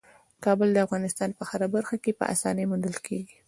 کابل د افغانستان په هره برخه کې په اسانۍ موندل کېږي.